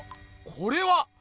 これは！